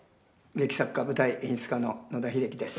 劇作家舞台演出家の野田秀樹です。